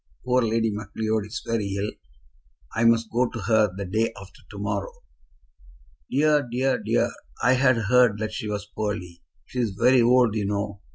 Poor Lady Macleod is very ill. I must go to her the day after to morrow." "Dear, dear, dear! I had heard that she was poorly. She is very old, you know.